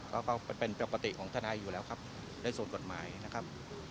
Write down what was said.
ก็ก็เป็นเปรียบประติของท่านไอ้อยู่แล้วครับได้ส่วนกฎหมายนะครับ